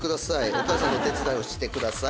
「お母さんのお手伝いをしてください」